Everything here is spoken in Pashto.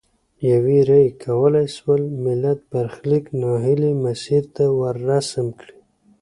یوي رایې کولای سول ملت برخلیک نا هیلي مسیر ته ورسم کړي.